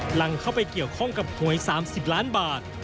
หลังเข้าไปเกี่ยวข้องกับหวย๓๐ล้านบาท